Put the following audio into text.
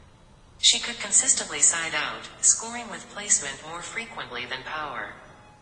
She could consistently side out, scoring with placement more frequently than power.